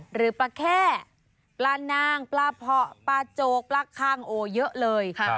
หรือปลาแค่ปลานางปลาเพาะปลาโจกปลาคางโอ้เยอะเลย